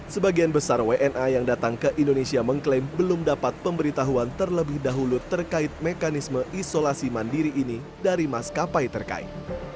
sebagian besar wna yang datang ke indonesia mengklaim belum dapat pemberitahuan terlebih dahulu terkait mekanisme isolasi mandiri ini dari maskapai terkait